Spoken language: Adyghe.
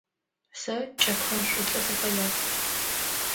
Сэ кӏэпхын шӏуцӏэ сыфэягъ.